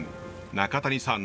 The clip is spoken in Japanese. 中谷さん